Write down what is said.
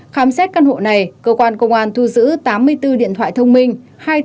khám xét căn hộ này cơ quan công an thu giữ tám mươi bốn điện thoại thông minh